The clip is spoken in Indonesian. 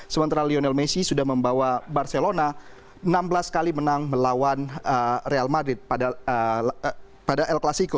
sementara lionel messi sudah membawa barcelona enam belas kali menang melawan real madrid pada el clasico